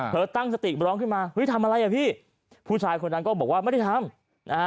เพ้อตั้งติดบนร้องขึ้นมาฮึ้ยทำอะไรอ่ะพี่ผู้ชายคนนั้นก็บอกว่าไม่ได้ทำ